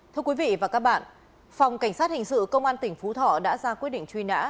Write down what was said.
thưa quý vị và các bạn phòng cảnh sát hình sự công an tỉnh phú thọ đã ra quyết định truy nã